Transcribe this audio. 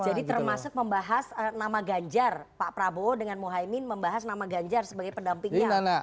jadi termasuk membahas nama ganjar pak prabowo dengan kusumo aimi membahas nama ganjar sebagai pendampingnya